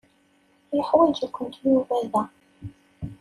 Yeḥwaǧ-ikent Yuba da.